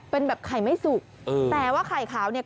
เป็นแบบไข่ไม่สุกเออแต่ว่าไข่ขาวเนี่ย